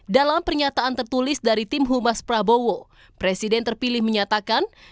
dalam pernyataan tertulis dari tim humas prabowo presiden terpilih menyatakan